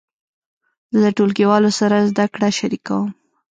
زه د ټولګیوالو سره زده کړه شریکوم.